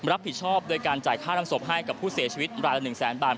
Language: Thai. รับผิดชอบโดยการจ่ายค่าน้ำศพให้กับผู้เสียชีวิตรายละ๑แสนบาท